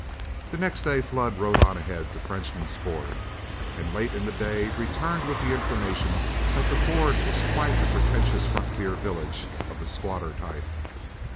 The next day Flood rode on ahead to Frenchman's Ford, and late in the day returned with the information that the Ford was quite a pretentious frontier village of the squatter type.